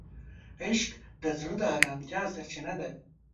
عشق د زړه د آرامتیا سرچینه ده.